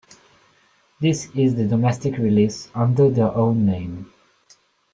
This is the domestic release under their own name.